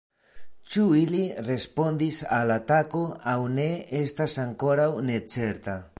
Ĉu ili respondis al atako aŭ ne estas ankoraŭ ne certa.